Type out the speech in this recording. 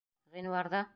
Ғинуарҙа?..